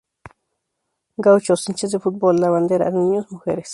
Gauchos, hinchas de fútbol, lavanderas, niños, mujeres.